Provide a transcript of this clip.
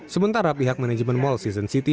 sementara pihak manajemen mall season city